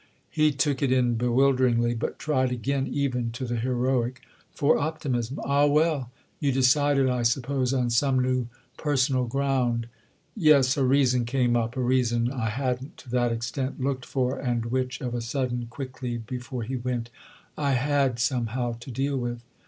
He took it in bewilderingly, but tried again, even to the heroic, for optimism. "Ah well, you decided, I suppose, on some new personal ground." "Yes; a reason came up, a reason I hadn't to that extent looked for and which of a sudden—quickly, before he went—I had somehow to deal with.